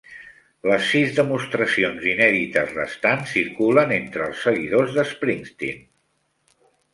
Les sis demostracions inèdites restants circulen entre els seguidors de Springsteen.